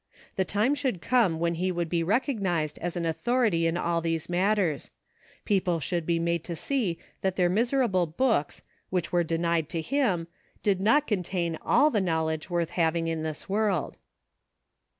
The time should come when he would be recognized as an authority in all these matters ; people should be made to see that their miserable books, which were denied to him, did not contain all the knowledge worth having in this world.